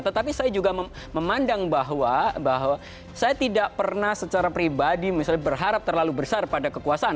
tetapi saya juga memandang bahwa saya tidak pernah secara pribadi misalnya berharap terlalu besar pada kekuasaan